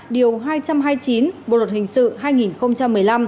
điều hai trăm hai mươi chín bộ luật hình sự hai nghìn một mươi năm